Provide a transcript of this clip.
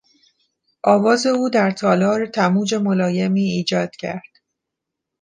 آواز او در تالار تموج ملایمی ایجاد کرد.